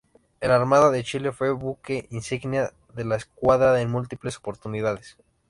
En la Armada de Chile fue buque insignia de la Escuadra en múltiples oportunidades.